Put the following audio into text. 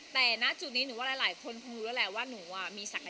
แต่ณจุดนี้หนูว่าหลายคนคงรู้แล้วแหละว่าหนูมีศักย